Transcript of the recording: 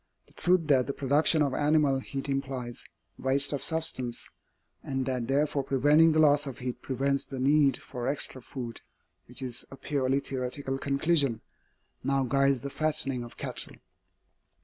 The truth that the production of animal heat implies waste of substance, and that therefore preventing the loss of heat prevents the need for extra food which is a purely theoretical conclusion now guides the fattening of cattle.